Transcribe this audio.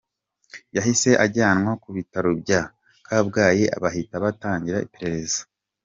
Yahise ajyanwa ku bitaro bya Kabgayi, bahita batangira iperereza.